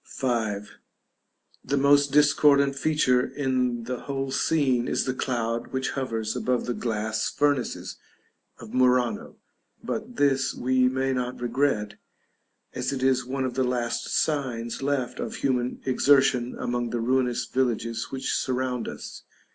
§ V. The most discordant feature in the whole scene is the cloud which hovers above the glass furnaces of Murano; but this we may not regret, as it is one of the last signs left of human exertion among the ruinous villages which surround us.